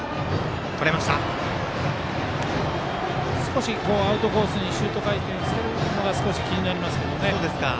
少しアウトコースにシュート回転しているのが気になりますけどね。